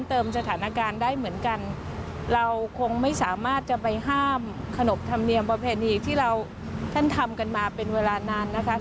ทุกคนมาเป็นเวลานานนะคะ